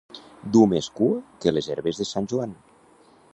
Dur més cua que les herbes de Sant Joan.